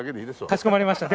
かしこまりました。